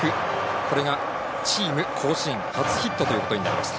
これが、チーム甲子園初ヒットということになりました。